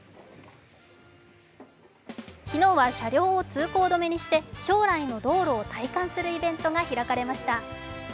昨日は車両を通行止めにして将来の道路を体感するイベントが開かれました。